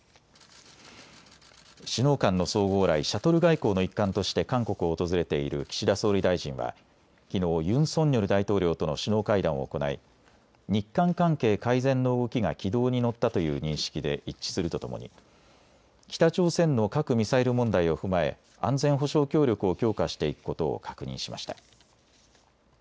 首脳間の相互往来、シャトル外交の一環として韓国を訪れている岸田総理大臣はきのうユン・ソンニョル大統領との首脳会談を行い日韓関係改善の動きが軌道に乗ったという認識で一致するとともに北朝鮮の核・ミサイル問題を踏まえ安全保障協力を強化していくことを確認しました。